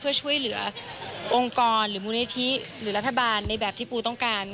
เพื่อช่วยเหลือองค์กรหรือมูลนิธิหรือรัฐบาลในแบบที่ปูต้องการ